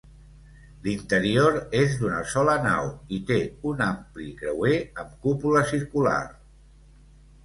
L'interior és d'una sola nau i té un amplia creuer amb cúpula circular.